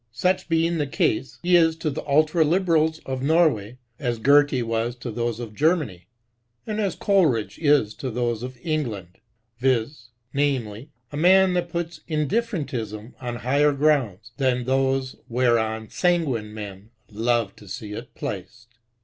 152 TRESCHOW. Such being the case, he is to the Ultra Liberals of Norway, as Goethe was to those of Germany, and as Coleridge is to those of England ; viz. a man that puts indifferentism on higher grounds than those whereon sanguine men love to see it placed.